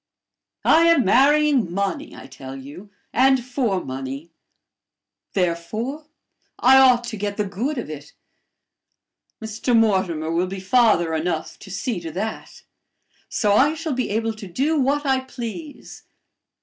I am marrying money, I tell you and for money; therefore, I ought to get the good of it. Mr. Mortimer will be father enough to see to that! So I shall be able to do what I please.